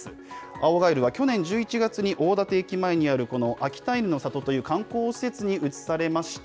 青ガエルは去年１１月に大館駅前にあるこの秋田犬の里という観光施設に移されました。